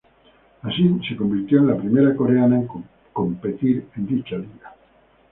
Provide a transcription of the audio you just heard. Así se convirtió en la primera coreana en competir en dicha liga.